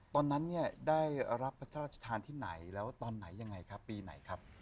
ตอนนั้นเนี่ยได้รับพระราชทานที่ไหนแล้วตอนไหนยังไงครับปีไหนครับ